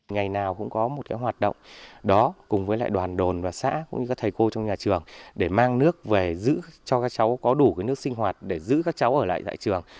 ngày nào cũng có một hoạt động đó cùng với lại đoàn đồn và xã cũng như các thầy cô trong nhà trường để mang nước về giữ cho các cháu có đủ nước sinh hoạt để giữ các cháu ở lại tại trường